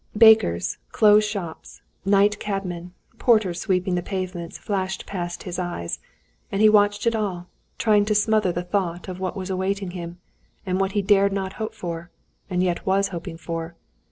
Bakers, closed shops, night cabmen, porters sweeping the pavements flashed past his eyes, and he watched it all, trying to smother the thought of what was awaiting him, and what he dared not hope for, and yet was hoping for.